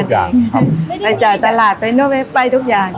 ทำจิ้มใช่ทุกอย่างทำไปจ่ายตลาดไปทุกอย่าง